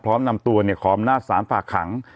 พร้อมนำตัวเนี่ยคอมหน้าสารฝากขัง